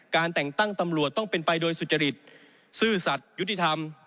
แต่งตั้งตำรวจต้องเป็นไปโดยสุจริตซื่อสัตว์ยุติธรรม